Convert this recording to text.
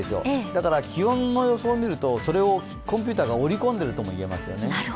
だから気温の予想を見るとコンピューターがそれを織り込んでいると見ていいですね。